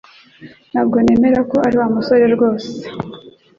Ntabwo nemera ko ari Wa musore rwose